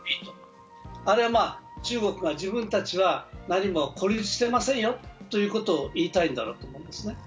あれは中国が自分たちが何も孤立していませんよということを言いたいんだろうと思うんですね。